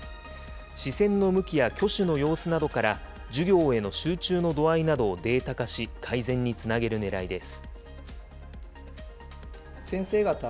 視線の向きや挙手の様子などから、授業への集中の度合いなどをデータ化し、改善につなげるねらいです。